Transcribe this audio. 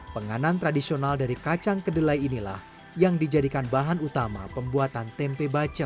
penganan tradisional dari kacang kedelai inilah yang dijadikan bahan utama pembuatan tempe baca